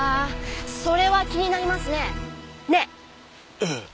ええ。